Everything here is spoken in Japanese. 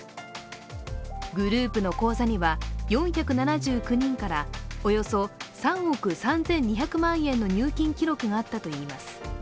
グループの口座には、４７９人からおよそ３億３２００万円の入金記録があったといいます。